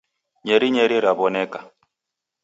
Nyeri nyeri rawoneka